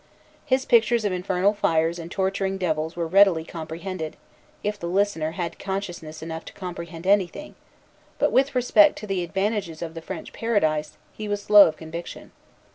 His pictures of infernal fires and torturing devils were readily comprehended, if the listener had consciousness enough to comprehend anything; but with respect to the advantages of the French Paradise, he was slow of conviction.